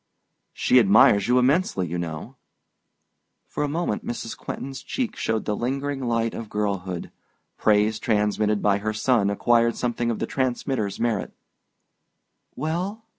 "She admires you immensely, you know." For a moment Mrs. Quentin's cheek showed the lingering light of girlhood: praise transmitted by her son acquired something of the transmitter's merit. "Well